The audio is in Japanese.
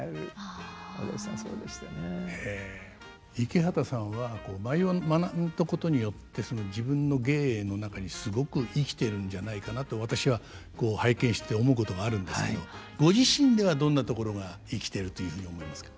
池畑さんは舞を学んだことによって自分の芸の中にすごく生きてるんじゃないかなって私は拝見して思うことがあるんですけどご自身ではどんなところが生きてるというふうに思いますか？